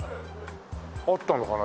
あったのかな？